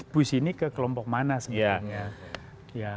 bu sini ke kelompok mana sebenarnya